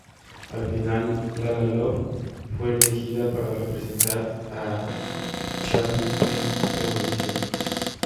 Al final, "La La Love" fue elegida para representar a Chipre en Eurovisión.